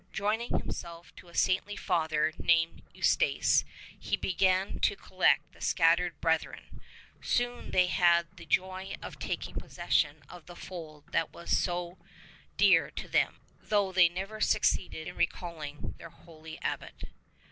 Join ing himself to a saintly Father named Eustace he began to collect the scattered brethren ; soon they had the joy of tak ing possession of the fold that was so dear to them, though they never succeeded in recalling their holy Abbot.